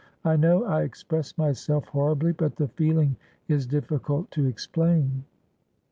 I know I express myself horribly, but the feeling is difficult to explain.'